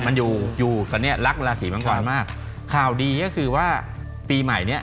มันอยู่อยู่ตอนนี้รักราศีมังกรมากข่าวดีก็คือว่าปีใหม่เนี้ย